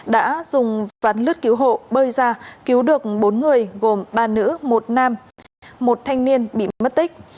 đã dùng ván lướt cứu hộ bơi ra cứu được bốn người gồm ba nữ một thanh niên bị mất tích